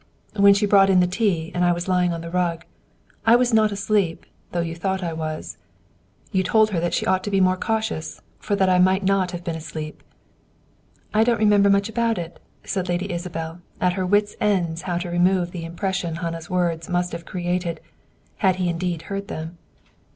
"When she brought in the tea, and I was lying on the rug. I was not asleep, though you thought I was. You told her she ought to be more cautious, for that I might not have been asleep." "I don't remember much about it," said Lady Isabel, at her wits' ends how to remove the impression Hannah's words must have created, had he indeed heard them.